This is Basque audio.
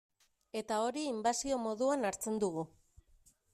Eta hori inbasio moduan hartzen dugu.